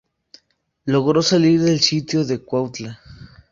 Logró salir del sitio de Cuautla.